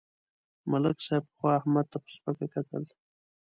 ملک صاحب پخوا احمد ته سپکه کتل.